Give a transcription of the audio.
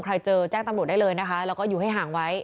เจอแจ้งตำรวจได้เลยนะคะแล้วก็อยู่ให้ห่างไว้